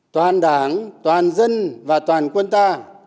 toàn đảng toàn dân và toàn quân ta